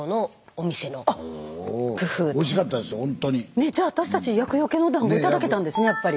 ねえじゃあ私たち厄よけのだんご頂けたんですねやっぱり。